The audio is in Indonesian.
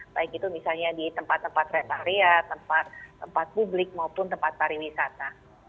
baik itu misalnya di tempat tempat retariat tempat publik maupun tempat pariwisata